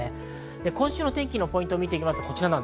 今週の天気のポイントを見ていきます。